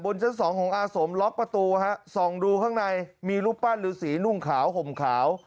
ชั้นสองของอาสมล็อกประตูฮะส่องดูข้างในมีรูปปั้นฤษีนุ่งขาวห่มขาว